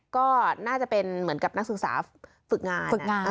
ก็น่าจะเป็นเหมือนกับนักศึกษาฝึกงานฝึกงาน